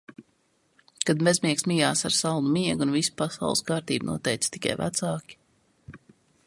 Kad bezmiegs mijās ar saldu miegu un visu pasaules kārtību noteica tikai vecāki...